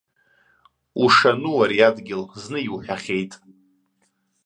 Ушану ари адгьыл, зны иуҳәахьеит.